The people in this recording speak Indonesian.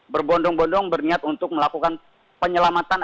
berbondong bondong berniat untuk melakukan penyelamatan